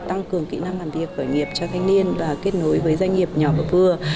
tăng cường kỹ năng làm việc khởi nghiệp cho thanh niên và kết nối với doanh nghiệp nhỏ và vừa